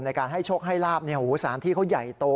การให้โชคให้ลาบสถานที่เขาใหญ่โต